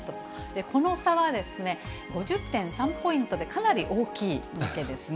この差は５０．３ポイントでかなり大きいわけですね。